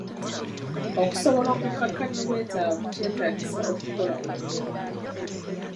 Okusobola okukakkanya obwetaavu kyetaagisa okukola emirimu